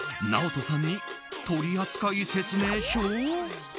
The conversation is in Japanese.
ＮＡＯＴＯさんに取扱説明書？